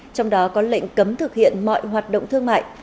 trong đó có lệnh cấm thực hiện mọi hoạt động thương mại